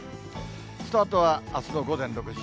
スタートはあすの午前６時。